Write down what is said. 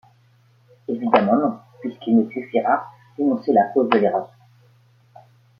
Évidemment non, puisqu’il me suffira d’énoncer la cause de l’erreur.